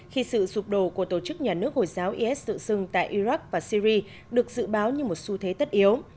khi sự rụp đổ của tổ chức nhà nước hồi giáo is tự dưng tại iraq và syria được dự báo như một xu thế tất yếu